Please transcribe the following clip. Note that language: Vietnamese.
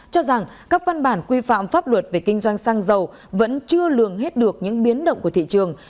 cho rằng các văn bản quy phạm pháp luật về kinh doanh xăng dầu vẫn chưa lường hết được những biến động của thị trường